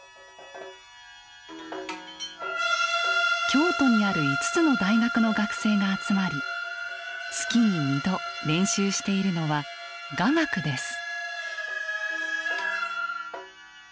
京都にある５つの大学の学生が集まり月に２度練習しているのは「雅楽」です。